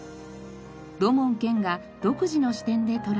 土門拳が独自の視点で捉えたのが。